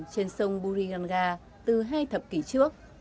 trên sông buriganga từ hai thập kỷ trước